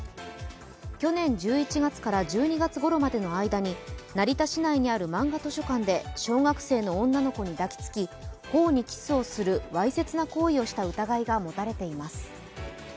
去年１１月から１２月ごろまでの間に成田市内にあるまんが図書館で小学生の女の子に抱きつき頬にキスをするわいせつな行為をした疑いが持たれています。